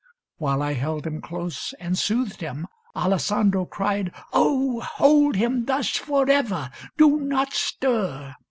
While I held Him close and soothed him, Alessandro cried, " O, hold him thus forever ! Do not stir